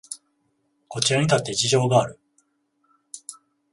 こちらにだって事情がある